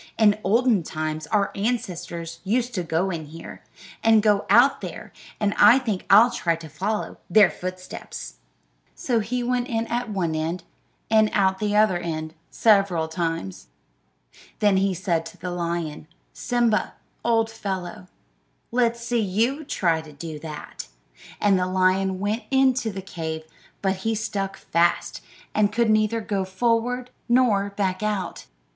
In olden times our ancestors used to go in here, and go out there, and I think I'll try and follow in their footsteps." So he went in at one end and out at the other end several times. Then he said to the lion, "Simba, old fellow, let's see you try to do that;" and the lion went into the cave, but he stuck fast, and could neither go forward nor back out.